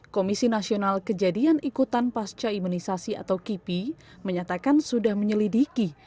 komisi nasional kejadian ikutan pasca imunisasi atau kipi menyatakan sudah menyelidiki